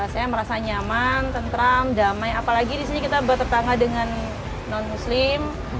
saya merasa nyaman tentram damai apalagi di sini kita bertetangga dengan non muslim